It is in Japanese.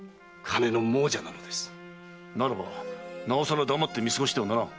ならばなおさら黙って見過ごしてはならぬ。